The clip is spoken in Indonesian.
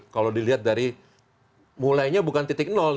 kalau dilihat dari